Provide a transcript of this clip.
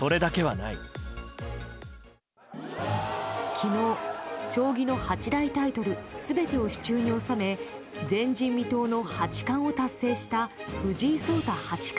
昨日、将棋の八大タイトル全てを手中に収め前人未到の八冠を達成した藤井聡太八冠。